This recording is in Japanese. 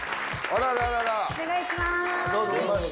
お願いします。